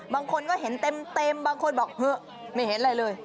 บางคนก็เห็นเต็มบางคนบอกเหอะไม่เห็นอะไรเลย